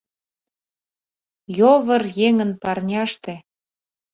«Йовыр еҥын парняште